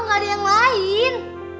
nggak ada yang lain